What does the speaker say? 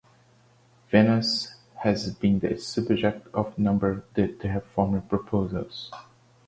Venus has been the subject of a number of terraforming proposals.